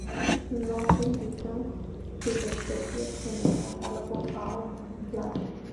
No se indican subespecies en el Catalogue of Life.